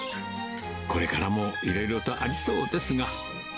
これからもいろいろとありそうですが。